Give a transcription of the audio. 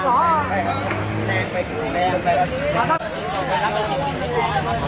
ก็ไม่มีอัศวินทรีย์ขึ้นมา